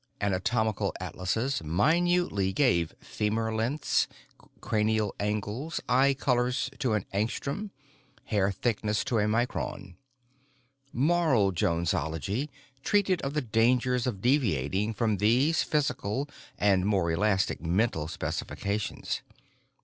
Anatomical atlases minutely gave femur lengths, cranial angles, eye color to an angstrom, hair thickness to a micron. Moral Jonesology treated of the dangers of deviating from these physical and more elastic mental specifications.